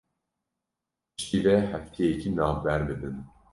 Piştî vê hefteyekî navber bidin